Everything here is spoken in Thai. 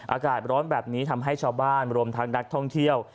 อากาศร้อนแบบนี้ทำให้ชาวบ้านรวมทั้งนักท่องเที่ยว